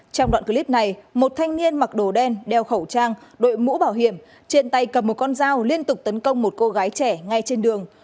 trong đoạn clip này một thanh niên mặc đồ đen đeo khẩu trang đội mũ bảo hiểm trên tay cầm một con dao liên tục tấn công một cô gái trẻ ngay trên đường